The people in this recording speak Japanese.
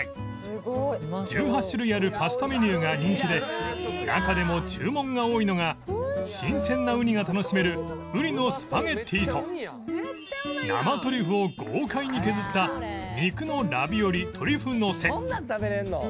１８種類あるパスタメニューが人気で中でも注文が多いのが新鮮なウニが楽しめるウニのスパゲッティと生トリュフを豪快に削ったそんなこんにちは。